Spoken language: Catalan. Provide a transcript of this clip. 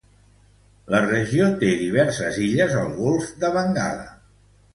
La regió té diverses illes al golf de Bengala.